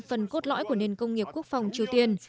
phần cốt lõi của nền công nghiệp quốc phòng triều tiên